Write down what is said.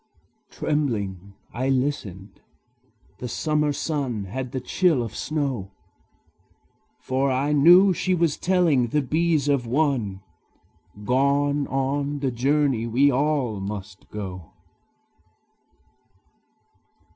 Trembling, I listened: the summer sun Had the chill of snow; For I knew she was telling the bees of one Gone on the journey we all must go!